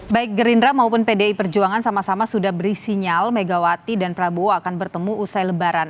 baik gerindra maupun pdi perjuangan sama sama sudah beri sinyal megawati dan prabowo akan bertemu usai lebaran